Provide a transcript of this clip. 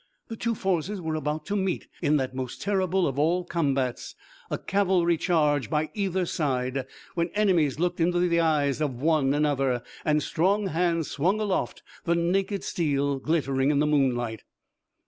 The two forces were about to meet in that most terrible of all combats, a cavalry charge by either side, when enemies looked into the eyes of one another, and strong hands swung aloft the naked steel, glittering in the moonlight.